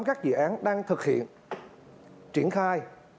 nếu các dự án đang thực hiện triển khai